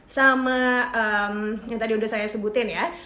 sama yang tadi udah saya sebutin ya